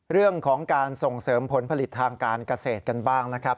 เรื่องของการส่งเสริมผลผลิตทางการเกษตรกันบ้างนะครับ